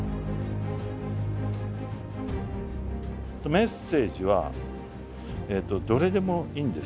メッセージはどれでもいいんですけど１文字。